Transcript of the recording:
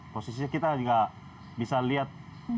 posisinya kita juga bisa lihat